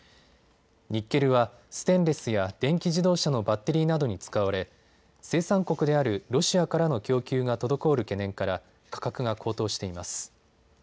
ニッケルはステンレスや電気自動車のバッテリーなどに使われ生産国であるロシアからの供給が滞る懸念から価格が高騰しています。